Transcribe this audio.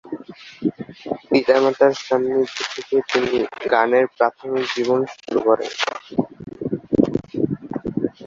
পিতা মাতার সান্নিধ্যে থেকে তিনি গানের প্রাথমিক জীবন শুরু করেন।